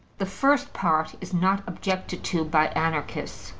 The first part is not objected to by Anarchists.